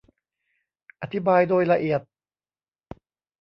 อธิบายโดยละเอียด